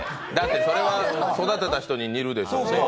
それは育てた人に似るでしょ。